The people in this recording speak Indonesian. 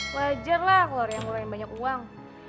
wajar lah kalo raya ngurangin banyak uang